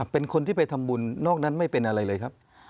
เป็นคนที่ไปทำบุญนอกนั้นไม่เป็นอะไรเลยครับ